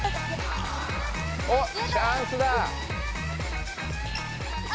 おっチャンスだ！